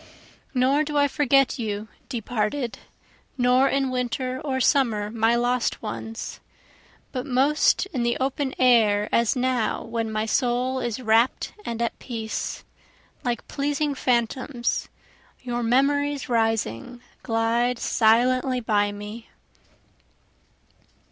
Nor do I forget you Departed, Nor in winter or summer my lost ones, But most in the open air as now when my soul is rapt and at peace, like pleasing phantoms, Your memories rising glide silently by me.